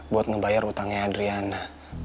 buat ngebayar utangnya adriana